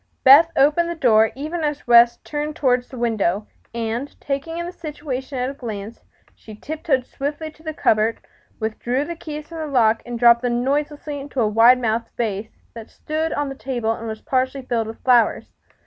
Beth opened the door even as West turned toward the window, and, taking in the situation at a glance, she tiptoed swiftly to the cupboard, withdrew the keys from the lock and dropped them noiselessly into a wide mouthed vase that stood on the table and was partially filled with flowers.